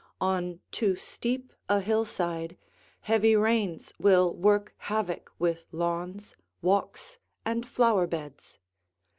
On too steep a hillside, heavy rains will work havoc with lawns, walks, and flower beds.